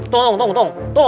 tunggu tunggu tunggu